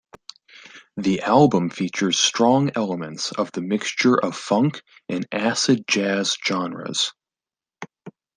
The album features strong elements of the mixture of funk and acid jazz genres.